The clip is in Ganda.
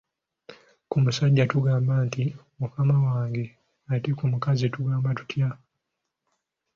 Ku musajja tugamba nti, mukama wange ate ku mukazi tugamba tutya?